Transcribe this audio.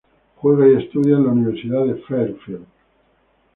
Juega y estudia en la Universidad de Fairfield.